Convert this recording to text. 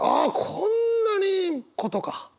こんなにいいことか！